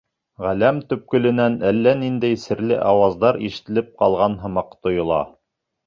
Ғаләм төпкөлөнән әллә ниндәй серле ауаздар ишетелеп ҡалған һымаҡ тойола.